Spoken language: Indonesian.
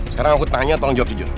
sekarang aku tanya tolong jawab jujur